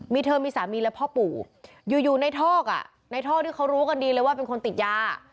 มีเธอมีสามีและพ่อปู่อยู่ในทอกอ่ะในทอกที่เขารู้กันดีเลยว่าเป็นคนติดยา